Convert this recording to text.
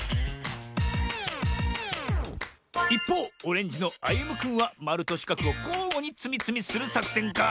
いっぽうオレンジのあゆむくんはまるとしかくをこうごにつみつみするさくせんか？